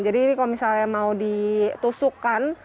jadi ini kalau misalnya mau ditusukkan